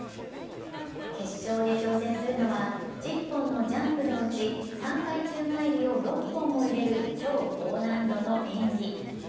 決勝で挑戦するのは１０本のジャンプのうち３回宙返りを６本も入れる超高難度の演技。